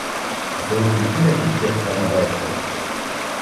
Асыуы килде лә китте Ҡаҙнабаевтың: